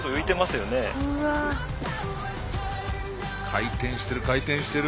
回転してる回転してる。